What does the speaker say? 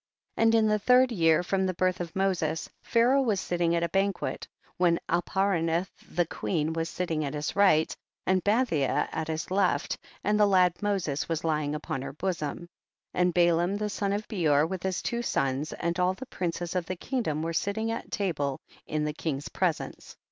And in the third year from the birth of Moses, Pharaoh was sitting at a banquet, when Alparanith the queen was sitting at his right and Bathia at his left, and the lad Moses was lying upon her bosom, and Ba laam the son of Beor with his two sons, and all the princes of the king dom were sitting at table in the king's presence.